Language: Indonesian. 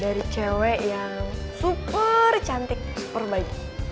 dari cewek yang super cantik super baik